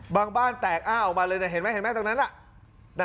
บางบ้านแตกอ้าออกมาเลยน่ะเห็นไหมตรงนั้นอ่ะ